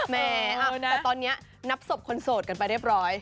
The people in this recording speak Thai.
แม้แต่ตอนนี้นับศพคนโสดกันไปเรียบร้อย